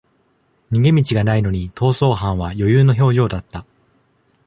逃げ道がないのに逃走犯は余裕の表情だった